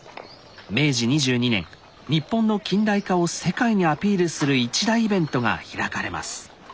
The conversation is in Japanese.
明治２２年日本の近代化を世界にアピールする一大イベントが開かれます。